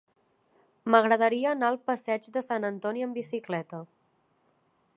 M'agradaria anar al passeig de Sant Antoni amb bicicleta.